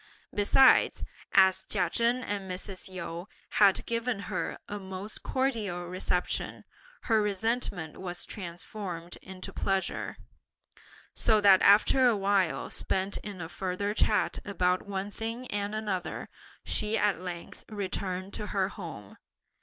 Besides, as Chia Chen and Mrs. Yu had given her a most cordial reception, her resentment was transformed into pleasure, so that after a while spent in a further chat about one thing and another, she at length returned to her home.